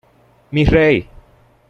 ¡ mi rey!